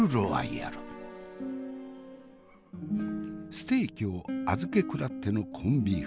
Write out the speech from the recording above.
ステーキを預け食らってのコンビーフ。